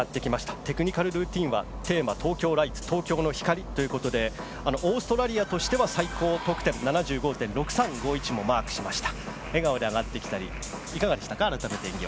テクニカルルーティンはテーマ、東京ライツ、東京の光ということで、オーストラリアとしては最高得点７５．６３５１もマークしました。